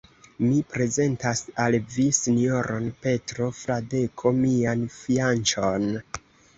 Mi prezentas al vi sinjoron Petro Fradeko, mian fianĉon.